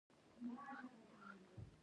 تاریخ د ځانګړو پېښو يادښت دی.